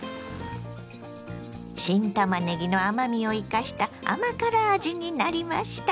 新たまねぎの甘みを生かした甘辛味になりました。